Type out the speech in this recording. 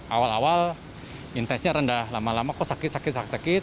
awal awal intensnya rendah lama lama kok sakit sakit sakit